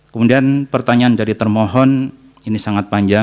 kemudian pertanyaan dari termohon ini sangat panjang